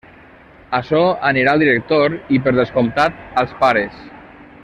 Açò anirà al director i per descomptat als pares.